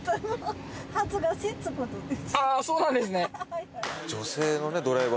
ああそうなんですね。